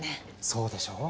そうでしょう？